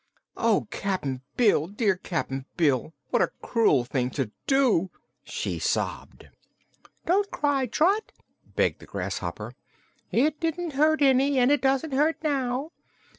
"Oh, Cap'n Bill dear Cap'n Bill! What a cruel thing to do!" she sobbed. "Don't cry, Trot," begged the grasshopper. "It didn't hurt any, and it doesn't hurt now.